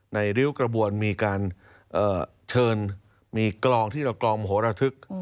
ริ้วกระบวนมีการเชิญมีกลองที่เรากลองโหระทึก